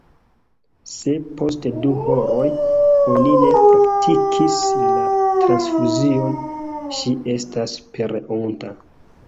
Se post du horoj oni ne praktikis la transfuzion, ŝi estas pereonta.